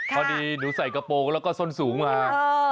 พอดีหนูใส่กระโปรงแล้วก็ส้นสูงมา